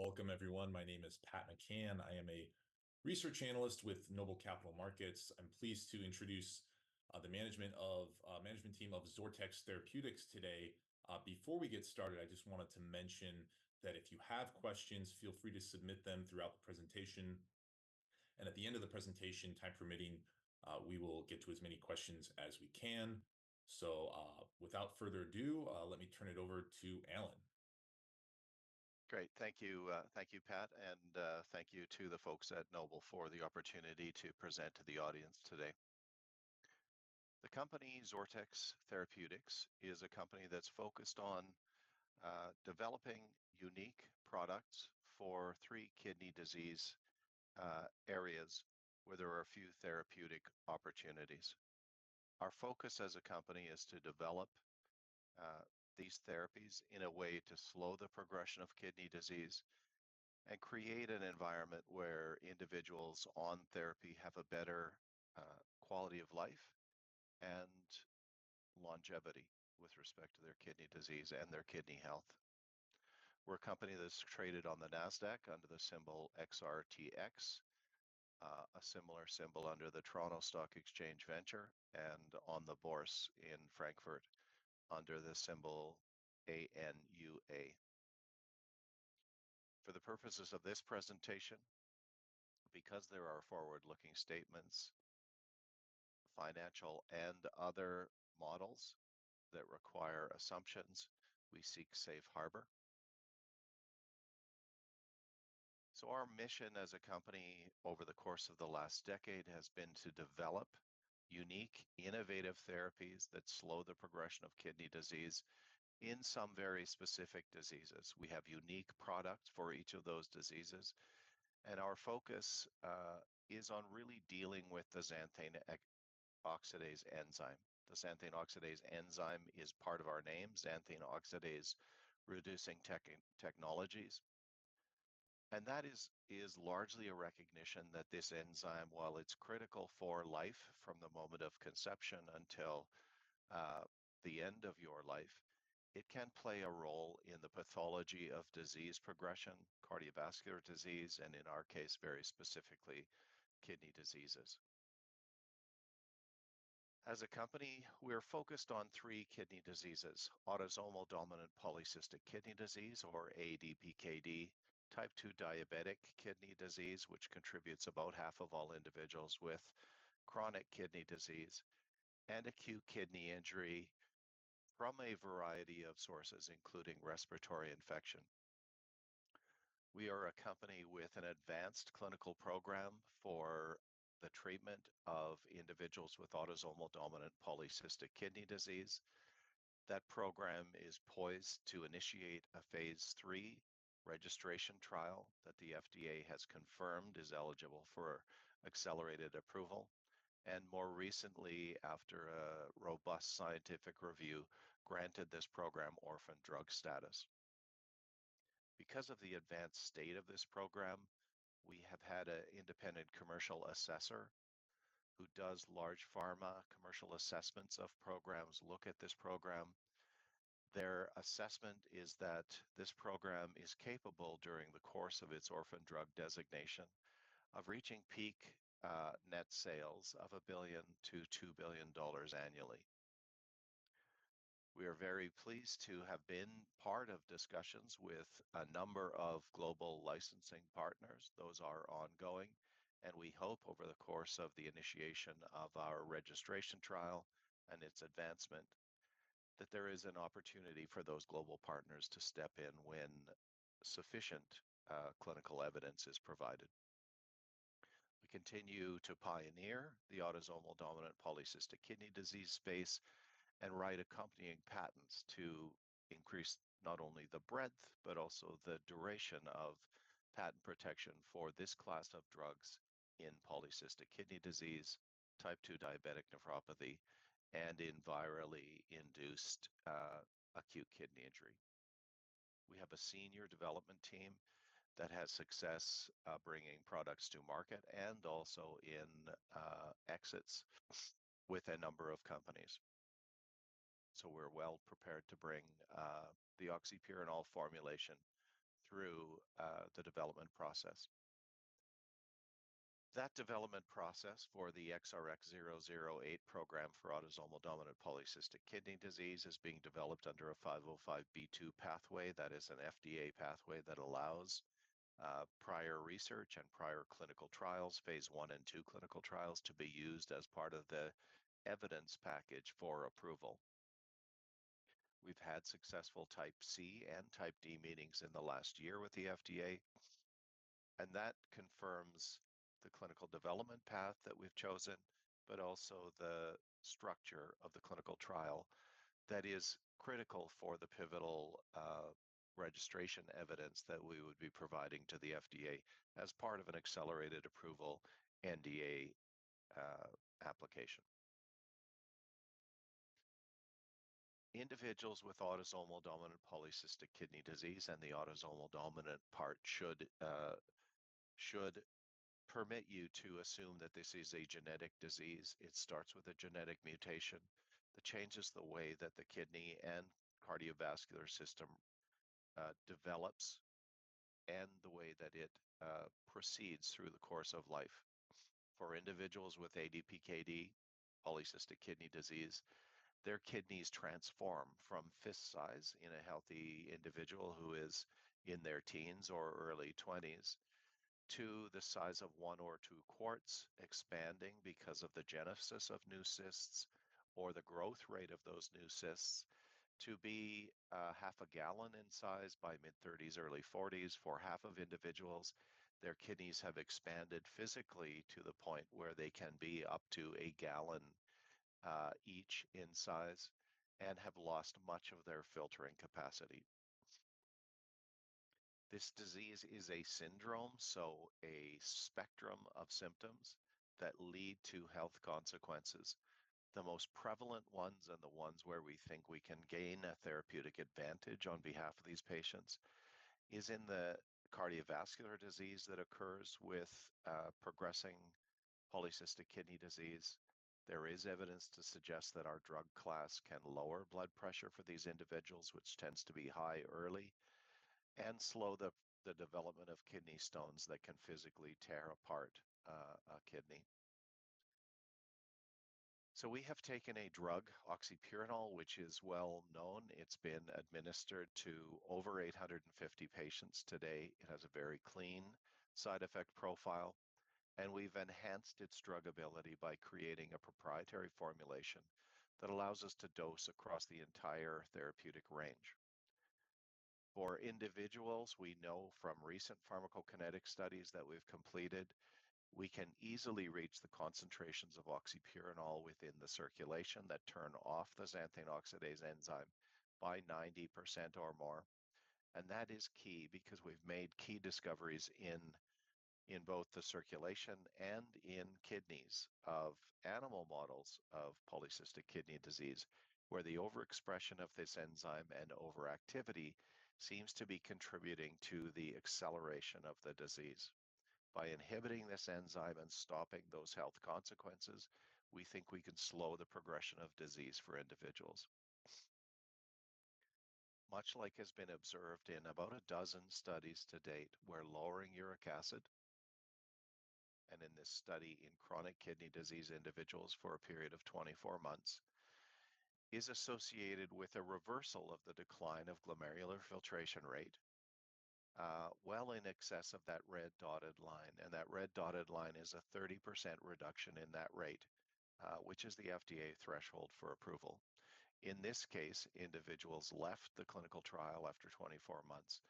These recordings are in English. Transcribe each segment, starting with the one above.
Welcome, everyone. My name is Pat McCann. I am a research analyst with Noble Capital Markets. I'm pleased to introduce the management team of XORTX Therapeutics today. Before we get started, I just wanted to mention that if you have questions, feel free to submit them throughout the presentation. At the end of the presentation, time permitting, we will get to as many questions as we can. Without further ado, let me turn it over to Allen. Great. Thank you. Thank you, Pat. And thank you to the folks at Noble for the opportunity to present to the audience today. The company XORTX Therapeutics is a company that's focused on developing unique products for three kidney disease areas where there are a few therapeutic opportunities. Our focus as a company is to develop these therapies in a way to slow the progression of kidney disease and create an environment where individuals on therapy have a better quality of life and longevity with respect to their kidney disease and their kidney health. We're a company that's traded on the NASDAQ under the symbol XRTX, a similar symbol under the TSX Venture Exchange, and on the Börse Frankfurt under the symbol ANUA. For the purposes of this presentation, because there are forward-looking statements, financial, and other models that require assumptions, we seek safe harbor. So our mission as a company over the course of the last decade has been to develop unique, innovative therapies that slow the progression of kidney disease in some very specific diseases. We have unique products for each of those diseases. And our focus is on really dealing with the xanthine oxidase enzyme. The xanthine oxidase enzyme is part of our name, xanthine oxidase-reducing technologies. And that is largely a recognition that this enzyme, while it's critical for life from the moment of conception until the end of your life, it can play a role in the pathology of disease progression, cardiovascular disease, and in our case, very specifically, kidney diseases. As a company, we're focused on three kidney diseases: autosomal dominant polycystic kidney disease, or ADPKD, type 2 diabetic kidney disease, which contributes about half of all individuals with chronic kidney disease, and acute kidney injury from a variety of sources, including respiratory infection. We are a company with an advanced clinical program for the treatment of individuals with autosomal dominant polycystic kidney disease. That program is poised to initiate a phase III registration trial that the FDA has confirmed is eligible for accelerated approval and, more recently, after a robust scientific review, granted this program orphan drug status. Because of the advanced state of this program, we have had an independent commercial assessor who does large pharma commercial assessments of programs, look at this program. Their assessment is that this program is capable, during the course of its orphan drug designation, of reaching peak net sales of $1 billion-$2 billion annually. We are very pleased to have been part of discussions with a number of global licensing partners. Those are ongoing. We hope, over the course of the initiation of our registration trial and its advancement, that there is an opportunity for those global partners to step in when sufficient clinical evidence is provided. We continue to pioneer the autosomal dominant polycystic kidney disease space and write accompanying patents to increase not only the breadth but also the duration of patent protection for this class of drugs in polycystic kidney disease, type 2 diabetic nephropathy, and in virally induced acute kidney injury. We have a senior development team that has success bringing products to market and also in exits with a number of companies. So we're well prepared to bring the oxypurinol formulation through the development process. That development process for the XRX008 program for autosomal dominant polycystic kidney disease is being developed under a 505(b)(2) pathway. That is an FDA pathway that allows prior research and prior clinical trials, phase I and II clinical trials, to be used as part of the evidence package for approval. We've had successful Type C and Type D meetings in the last year with the FDA. That confirms the clinical development path that we've chosen but also the structure of the clinical trial that is critical for the pivotal registration evidence that we would be providing to the FDA as part of an accelerated approval NDA application. Individuals with autosomal dominant polycystic kidney disease and the autosomal dominant part should permit you to assume that this is a genetic disease. It starts with a genetic mutation. It changes the way that the kidney and cardiovascular system develops and the way that it proceeds through the course of life. For individuals with ADPKD, polycystic kidney disease, their kidneys transform from fist-sized in a healthy individual who is in their teens or early 20s to the size of one or two quarts, expanding because of the genesis of new cysts or the growth rate of those new cysts to be half a gallon in size by mid-30s, early 40s. For half of individuals, their kidneys have expanded physically to the point where they can be up to a gallon each in size and have lost much of their filtering capacity. This disease is a syndrome, so a spectrum of symptoms that lead to health consequences. The most prevalent ones and the ones where we think we can gain a therapeutic advantage on behalf of these patients is in the cardiovascular disease that occurs with progressing polycystic kidney disease. There is evidence to suggest that our drug class can lower blood pressure for these individuals, which tends to be high early, and slow the development of kidney stones that can physically tear apart a kidney. We have taken a drug, oxypurinol, which is well known. It's been administered to over 850 patients today. It has a very clean side effect profile. We've enhanced its drug ability by creating a proprietary formulation that allows us to dose across the entire therapeutic range. For individuals, we know from recent pharmacokinetic studies that we've completed, we can easily reach the concentrations of oxypurinol within the circulation that turn off the xanthine oxidase enzyme by 90% or more. And that is key because we've made key discoveries in both the circulation and in kidneys of animal models of polycystic kidney disease where the overexpression of this enzyme and overactivity seems to be contributing to the acceleration of the disease. By inhibiting this enzyme and stopping those health consequences, we think we can slow the progression of disease for individuals. Much like has been observed in about a dozen studies to date where lowering uric acid, and in this study, in chronic kidney disease individuals for a period of 24 months, is associated with a reversal of the decline of glomerular filtration rate, well in excess of that red dotted line. That red dotted line is a 30% reduction in that rate, which is the FDA threshold for approval. In this case, individuals left the clinical trial after 24 months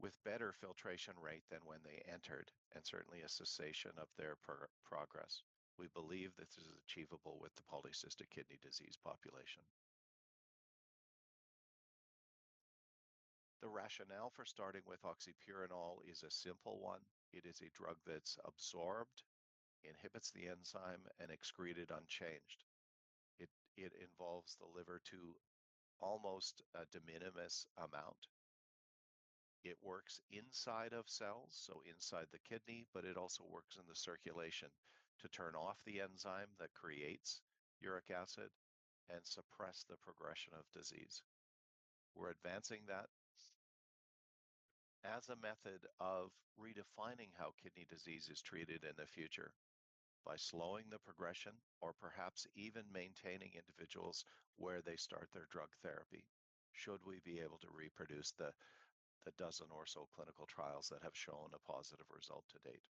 with better filtration rate than when they entered and certainly a cessation of their progress. We believe this is achievable with the polycystic kidney disease population. The rationale for starting with oxypurinol is a simple one. It is a drug that's absorbed, inhibits the enzyme, and excreted unchanged. It involves the liver to almost a de minimis amount. It works inside of cells, so inside the kidney, but it also works in the circulation to turn off the enzyme that creates uric acid and suppress the progression of disease. We're advancing that as a method of redefining how kidney disease is treated in the future by slowing the progression or perhaps even maintaining individuals where they start their drug therapy, should we be able to reproduce the 12 or so clinical trials that have shown a positive result to date.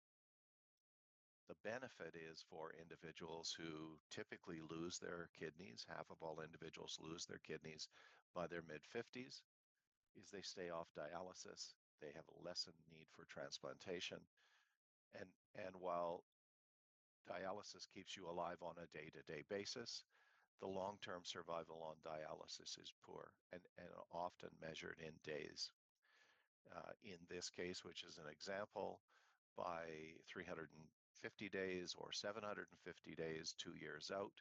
The benefit is for individuals who typically lose their kidneys, half of all individuals lose their kidneys, by their mid-50s is they stay off dialysis. They have a lessened need for transplantation. While dialysis keeps you alive on a day-to-day basis, the long-term survival on dialysis is poor and often measured in days. In this case, which is an example, by 350 days or 750 days, 2 years out,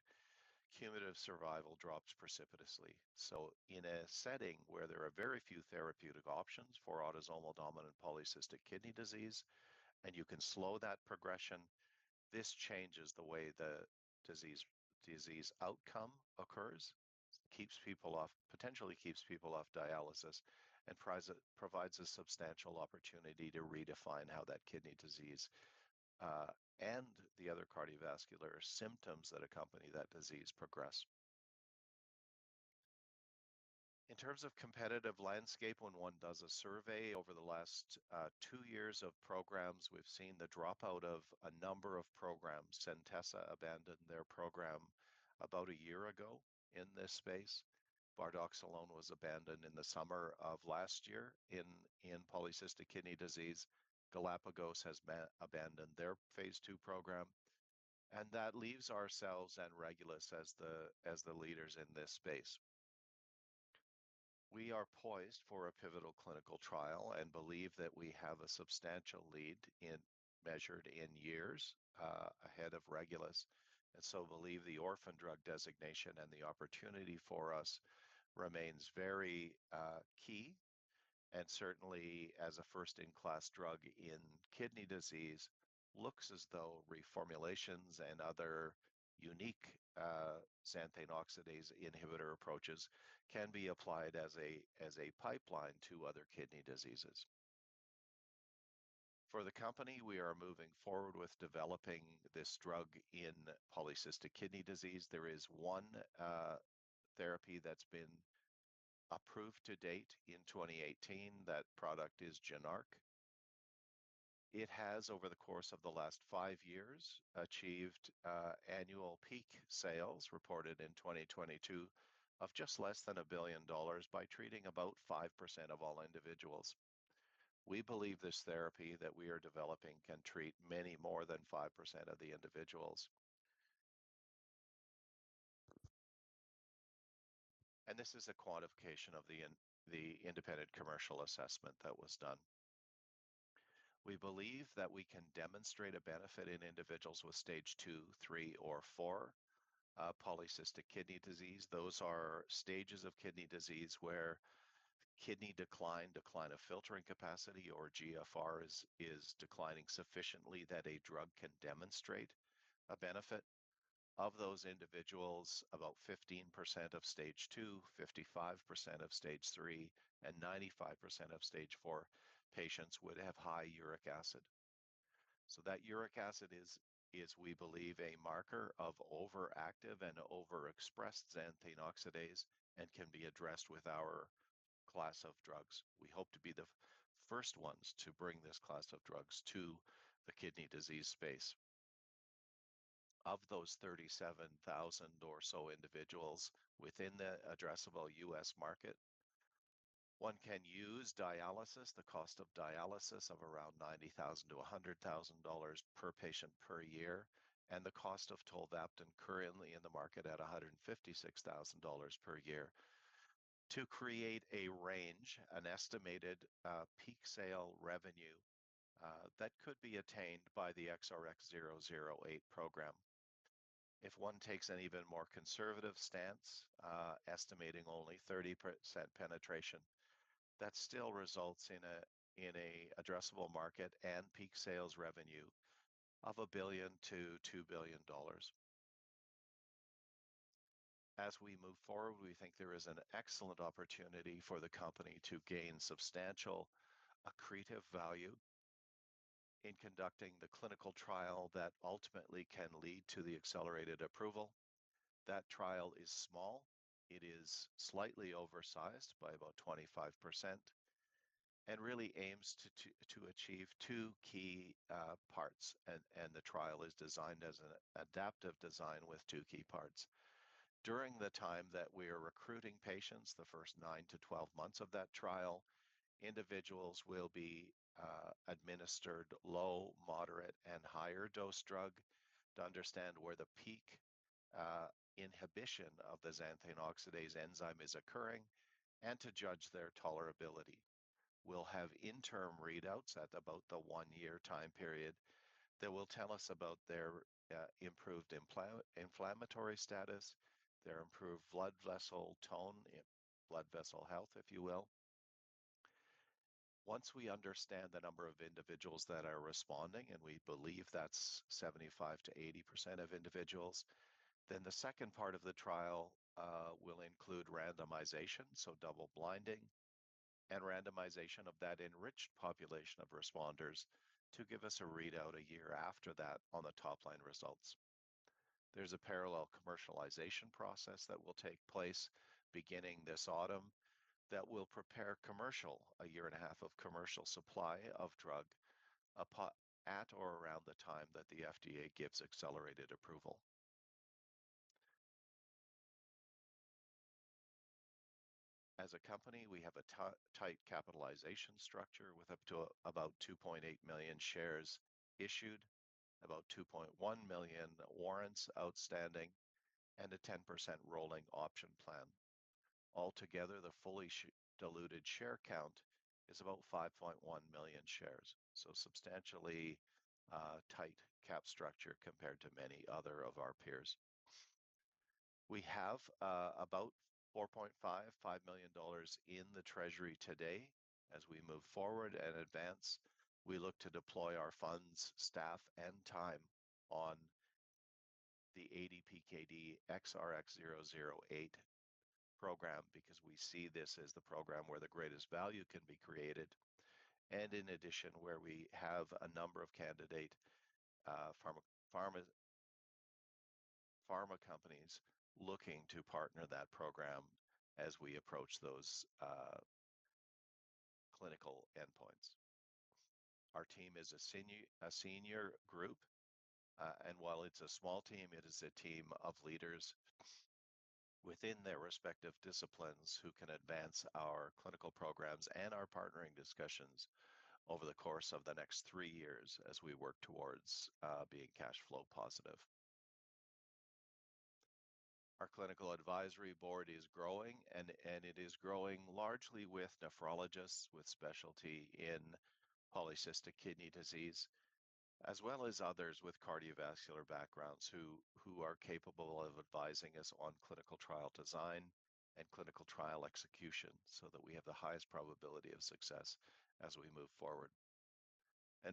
cumulative survival drops precipitously. In a setting where there are very few therapeutic options for autosomal dominant polycystic kidney disease and you can slow that progression, this changes the way the disease outcome occurs, potentially keeps people off dialysis, and provides a substantial opportunity to redefine how that kidney disease and the other cardiovascular symptoms that accompany that disease progress. In terms of competitive landscape, when one does a survey over the last two years of programs, we've seen the dropout of a number of programs. Centessa abandoned their program about a year ago in this space. Bardoxolone was abandoned in the summer of last year in polycystic kidney disease. Galapagos has abandoned their phase II program. That leaves ourselves and Regulus as the leaders in this space. We are poised for a pivotal clinical trial and believe that we have a substantial lead measured in years ahead of Regulus. We believe the orphan drug designation and the opportunity for us remains very key. Certainly, as a first-in-class drug in kidney disease, it looks as though reformulations and other unique xanthine oxidase inhibitor approaches can be applied as a pipeline to other kidney diseases. For the company, we are moving forward with developing this drug in polycystic kidney disease. There is one therapy that's been approved to date in 2018. That product is Jynarque. It has, over the course of the last five years, achieved annual peak sales reported in 2022 of just less than $1 billion by treating about 5% of all individuals. We believe this therapy that we are developing can treat many more than 5% of the individuals. This is a quantification of the independent commercial assessment that was done. We believe that we can demonstrate a benefit in individuals with Stage II, III, or IV polycystic kidney disease. Those are stages of kidney disease where kidney decline, decline of filtering capacity, or GFR is declining sufficiently that a drug can demonstrate a benefit. Of those individuals, about 15% of Stage II, 55% of Stage III, and 95% of Stage IV patients would have high uric acid. So that uric acid is, we believe, a marker of overactive and overexpressed xanthine oxidase and can be addressed with our class of drugs. We hope to be the first ones to bring this class of drugs to the kidney disease space. Of those 37,000 or so individuals within the addressable U.S. market, one can use dialysis, the cost of dialysis of around $90,000-$100,000 per patient per year and the cost of tolvaptan currently in the market at $156,000 per year, to create a range, an estimated peak sales revenue that could be attained by the XRX008 program. If one takes an even more conservative stance, estimating only 30% penetration, that still results in an addressable market and peak sales revenue of $1 billion-$2 billion. As we move forward, we think there is an excellent opportunity for the company to gain substantial accretive value in conducting the clinical trial that ultimately can lead to the accelerated approval. That trial is small. It is slightly oversized by about 25% and really aims to achieve two key parts. The trial is designed as an adaptive design with two key parts. During the time that we are recruiting patients, the first 9 to 12 months of that trial, individuals will be administered low, moderate, and higher dose drug to understand where the peak inhibition of the xanthine oxidase enzyme is occurring and to judge their tolerability. We'll have interim readouts at about the one-year time period that will tell us about their improved inflammatory status, their improved blood vessel tone, blood vessel health, if you will. Once we understand the number of individuals that are responding, and we believe that's 75%-80% of individuals, then the second part of the trial will include randomization, so double-blinding and randomization of that enriched population of responders to give us a readout a year after that on the top-line results. There's a parallel commercialization process that will take place beginning this autumn that will prepare a year and a half of commercial supply of drug at or around the time that the FDA gives accelerated approval. As a company, we have a tight capitalization structure with up to about 2.8 million shares issued, about 2.1 million warrants outstanding, and a 10% rolling option plan. Altogether, the fully diluted share count is about 5.1 million shares. So substantially tight cap structure compared to many other of our peers. We have about $4.5 million in the treasury today. As we move forward and advance, we look to deploy our funds, staff, and time on the ADPKD XRX008 program because we see this as the program where the greatest value can be created. In addition, where we have a number of candidate pharma companies looking to partner that program as we approach those clinical endpoints. Our team is a senior group. While it's a small team, it is a team of leaders within their respective disciplines who can advance our clinical programs and our partnering discussions over the course of the next three years as we work towards being cash flow positive. Our clinical advisory board is growing, and it is growing largely with nephrologists with specialty in polycystic kidney disease as well as others with cardiovascular backgrounds who are capable of advising us on clinical trial design and clinical trial execution so that we have the highest probability of success as we move forward.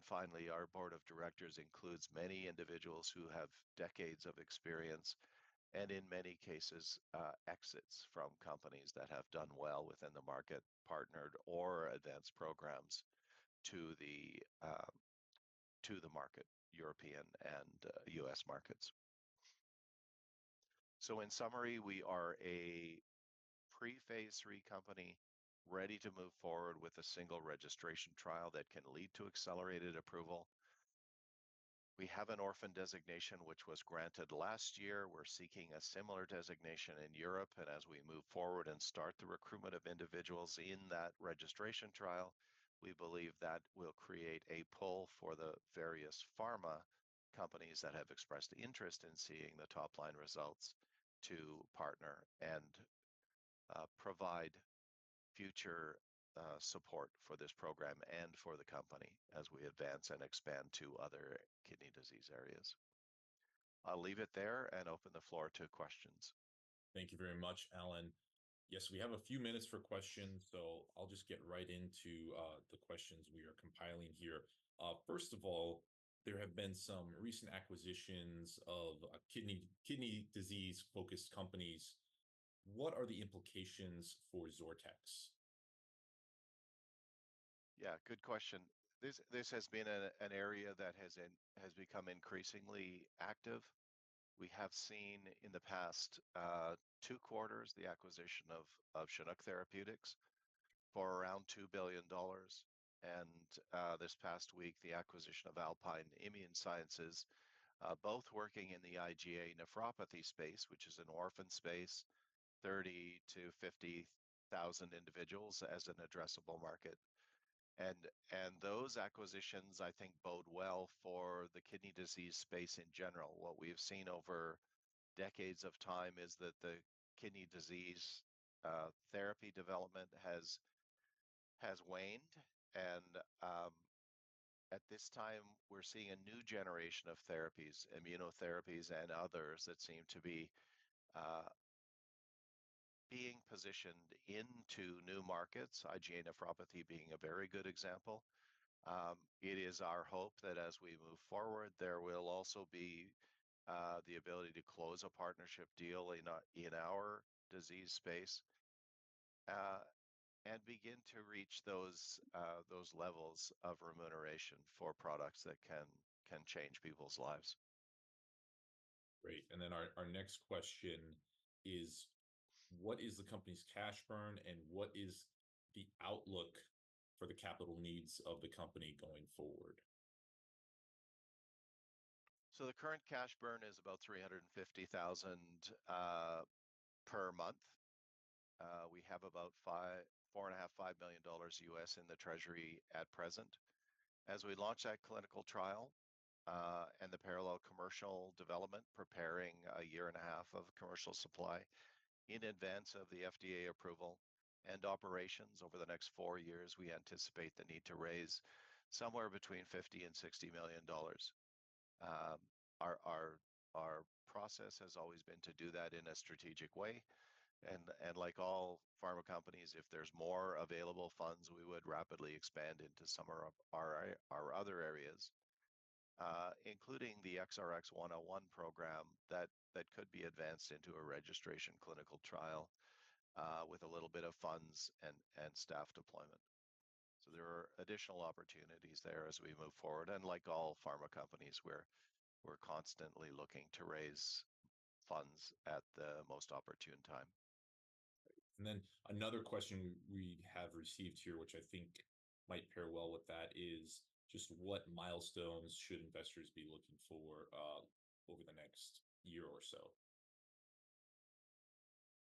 Finally, our board of directors includes many individuals who have decades of experience and, in many cases, exits from companies that have done well within the market, partnered, or advanced programs to the market, European and U.S. markets. In summary, we are a pre-phase III company ready to move forward with a single registration trial that can lead to accelerated approval. We have an orphan designation which was granted last year. We're seeking a similar designation in Europe. As we move forward and start the recruitment of individuals in that registration trial, we believe that will create a pull for the various pharma companies that have expressed interest in seeing the top-line results to partner and provide future support for this program and for the company as we advance and expand to other kidney disease areas. I'll leave it there and open the floor to questions. Thank you very much, Allen. Yes, we have a few minutes for questions, so I'll just get right into the questions we are compiling here. First of all, there have been some recent acquisitions of kidney disease-focused companies. What are the implications for XORTX? Yeah, good question. This has been an area that has become increasingly active. We have seen in the past two quarters the acquisition of Chinook Therapeutics for around $2 billion. This past week, the acquisition of Alpine Immune Sciences, both working in the IgA nephropathy space, which is an orphan space, 30-50 thousand individuals as an addressable market. Those acquisitions, I think, bode well for the kidney disease space in general. What we've seen over decades of time is that the kidney disease therapy development has waned. At this time, we're seeing a new generation of therapies, immunotherapies, and others that seem to be being positioned into new markets, IgA nephropathy being a very good example. It is our hope that as we move forward, there will also be the ability to close a partnership deal in our disease space and begin to reach those levels of remuneration for products that can change people's lives. Great. And then our next question is, what is the company's cash burn, and what is the outlook for the capital needs of the company going forward? So the current cash burn is about $350,000 per month. We have about $4.5-$5 million in the Treasury at present. As we launch that clinical trial and the parallel commercial development, preparing a year and a half of commercial supply in advance of the FDA approval and operations over the next four years, we anticipate the need to raise somewhere between $50 million and $60 million. Our process has always been to do that in a strategic way. And like all pharma companies, if there's more available funds, we would rapidly expand into some of our other areas, including the XRX101 program that could be advanced into a registration clinical trial with a little bit of funds and staff deployment. So there are additional opportunities there as we move forward. Like all pharma companies, we're constantly looking to raise funds at the most opportune time. Another question we have received here, which I think might pair well with that, is just what milestones should investors be looking for over the next year or so?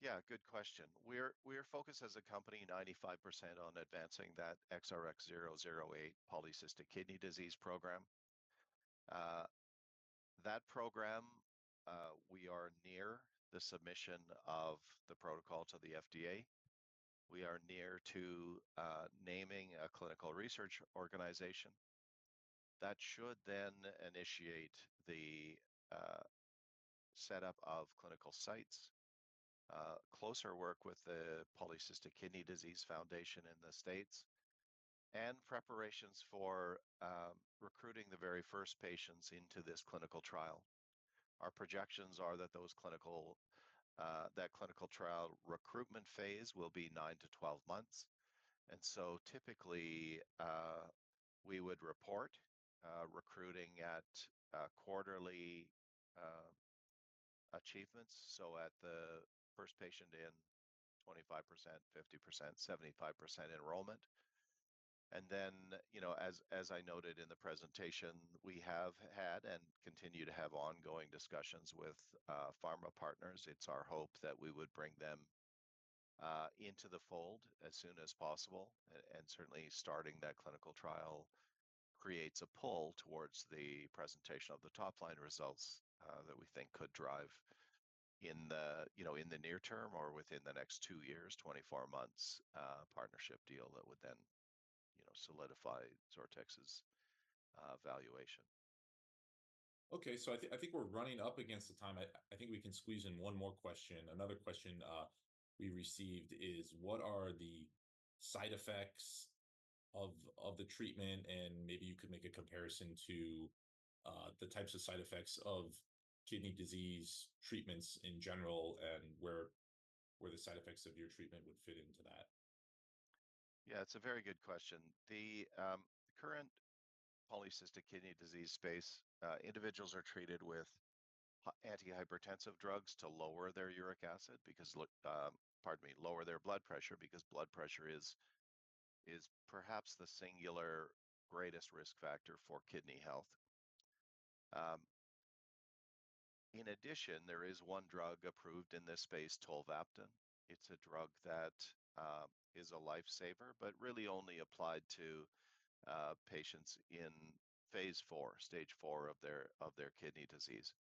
Yeah, good question. We are focused as a company 95% on advancing that XRX008 polycystic kidney disease program. That program, we are near the submission of the protocol to the FDA. We are near to naming a clinical research organization. That should then initiate the setup of clinical sites, closer work with the Polycystic Kidney Disease Foundation in the States, and preparations for recruiting the very first patients into this clinical trial. Our projections are that that clinical trial recruitment phase will be 9-12 months. And so typically, we would report recruiting at quarterly achievements. So at the first patient in, 25%, 50%, 75% enrollment. And then, as I noted in the presentation, we have had and continue to have ongoing discussions with pharma partners. It's our hope that we would bring them into the fold as soon as possible. Certainly, starting that clinical trial creates a pull towards the presentation of the top-line results that we think could drive in the near term or within the next 2 years, 24 months partnership deal that would then solidify XORTX's valuation. Okay. So I think we're running up against the time. I think we can squeeze in one more question. Another question we received is, what are the side effects of the treatment? And maybe you could make a comparison to the types of side effects of kidney disease treatments in general and where the side effects of your treatment would fit into that. Yeah, it's a very good question. The current polycystic kidney disease space, individuals are treated with antihypertensive drugs to lower their uric acid because pardon me, lower their blood pressure because blood pressure is perhaps the singular greatest risk factor for kidney health. In addition, there is one drug approved in this space, tolvaptan. It's a drug that is a lifesaver, but really only applied to patients in phase four, stage four of their kidney disease.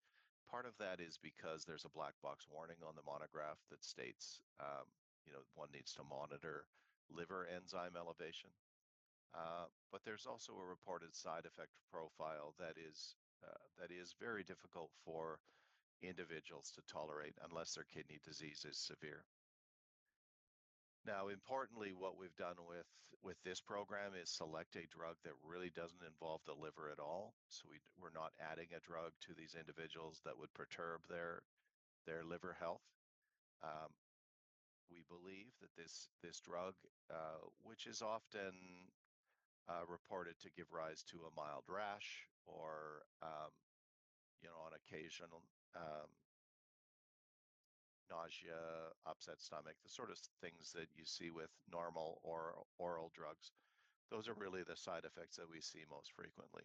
Part of that is because there's a black box warning on the monograph that states one needs to monitor liver enzyme elevation. But there's also a reported side effect profile that is very difficult for individuals to tolerate unless their kidney disease is severe. Now, importantly, what we've done with this program is select a drug that really doesn't involve the liver at all. So we're not adding a drug to these individuals that would perturb their liver health. We believe that this drug, which is often reported to give rise to a mild rash or on occasional nausea, upset stomach, the sort of things that you see with normal or oral drugs, those are really the side effects that we see most frequently.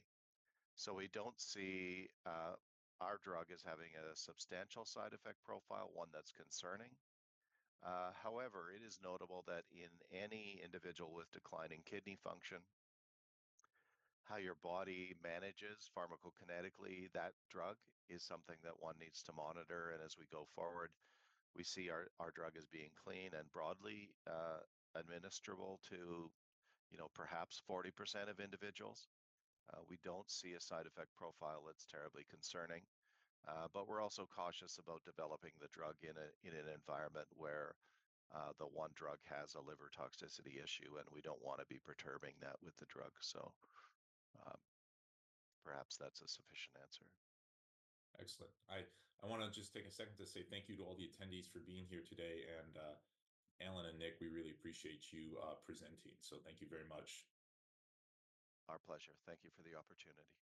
So we don't see our drug as having a substantial side effect profile, one that's concerning. However, it is notable that in any individual with declining kidney function, how your body manages pharmacokinetically that drug is something that one needs to monitor. And as we go forward, we see our drug as being clean and broadly administerable to perhaps 40% of individuals. We don't see a side effect profile that's terribly concerning. We're also cautious about developing the drug in an environment where the one drug has a liver toxicity issue, and we don't want to be perturbing that with the drug. Perhaps that's a sufficient answer. Excellent. I want to just take a second to say thank you to all the attendees for being here today. And Allen and Nick, we really appreciate you presenting. So thank you very much. Our pleasure. Thank you for the opportunity. Thank you.